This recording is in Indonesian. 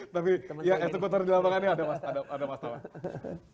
tapi ya itu pun terdalam makanya ada mas tamar